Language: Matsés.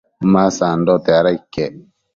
ma sandote, ada iquec